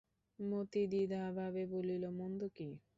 মতি দ্বিধাভাবে বলিল, মন্দ কী?